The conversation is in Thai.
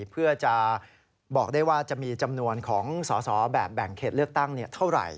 เพื่อจะบอกได้ว่าจะมีจำนวนของสอสอแบบแบ่งเขตเลือกตั้งเท่าไหร่